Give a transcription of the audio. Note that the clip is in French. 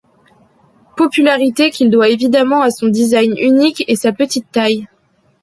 Popularité qu'il doit évidemment à son design unique et sa petite taille.